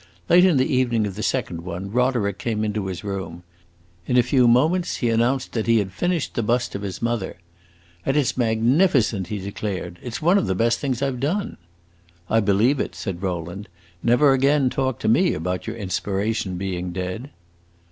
Late in the evening of the second one Roderick came into his room. In a few moments he announced that he had finished the bust of his mother. "And it 's magnificent!" he declared. "It 's one of the best things I have done." "I believe it," said Rowland. "Never again talk to me about your inspiration being dead."